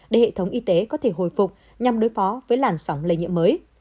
để hệ thống y tế có thể hồi phục nhằm đối phó với làn sóng lây nhiễm mới